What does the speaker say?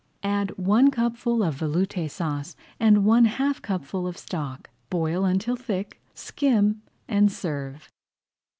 Add one cupful of Veloute Sauce and one half cupful of stock. Boil until thick, skim, and serve.